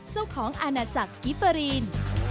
เจ้าของอาณาจักรกิฟเฟอรีน